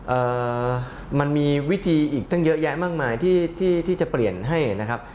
เอ่อมันมีวิธีอีกตั้งเยอะแยะมากมายที่ที่ที่จะเปลี่ยนให้นะครับ